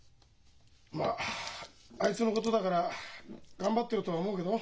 まああいつのことだから頑張ってるとは思うけど。